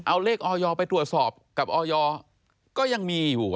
เอาเลขออยไปตรวจสอบกับออยก็ยังมีอยู่